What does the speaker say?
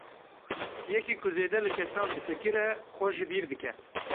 Yekî ku zêde li kesan difikire, xwe ji bîr dike.